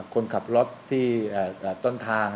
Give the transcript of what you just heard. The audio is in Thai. คนขับรถที่ต้นทาง